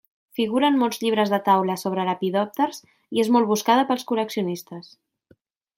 Figura en molts llibres de taula sobre lepidòpters i és molt buscada pels col·leccionistes.